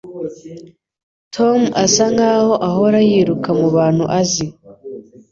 Tom asa nkaho ahora yiruka mubantu azi.